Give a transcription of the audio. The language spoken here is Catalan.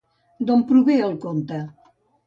D'on prové el conte?